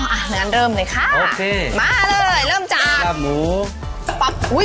อ่าแล้วกันเริ่มเลยค่ะโอเคมาเลยเริ่มจากสับหมูปับอุ้ย